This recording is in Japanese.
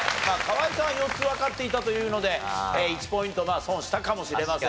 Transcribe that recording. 河井さんは４つわかっていたというので１ポイント損したかもしれませんが。